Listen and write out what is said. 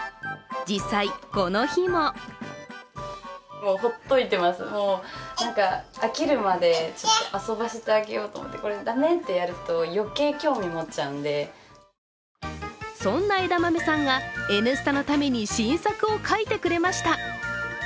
実際、この日もそんなえだまめさんが「Ｎスタ」のために新作を描いてくれました。